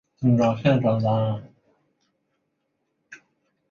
张军还进一步提出要求